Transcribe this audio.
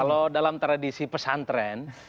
kalau dalam tradisi pesantren